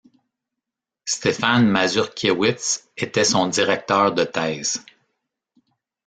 Stefan Mazurkiewicz était son directeur de thèse.